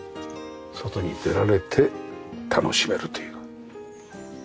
外に出られて楽しめるという。